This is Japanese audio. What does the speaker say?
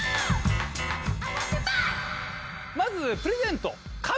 まずプレゼント。